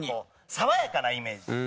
爽やかなイメージで。